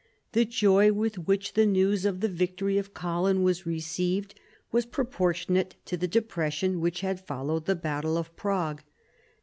The joy with which the news of the victory of Kolin was received was proportionate to the depression which had followed the battle of Prague.